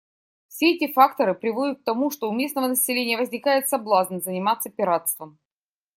Все эти факторы приводят к тому, что у местного населения возникает соблазн заниматься пиратством.